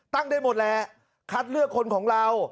ได้หมดแหละคัดเลือกคนของเรา